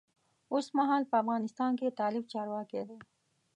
اوسمهال په افغانستان کې طالب چارواکی دی.